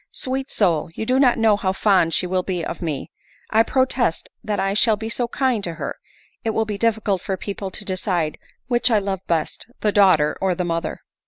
Sweet soul ! you do not know how fond she will be of me ! I protest that I shall be so kind to her, it will be difficult for people to decide which I love best, the daughter or the mother."